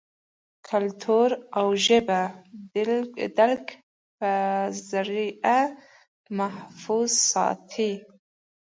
کلتور او ژبه دَليک پۀ زريعه محفوظ ساتي